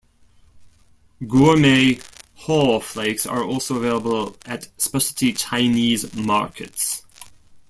Gourmet haw flakes are also available at specialty Chinese markets.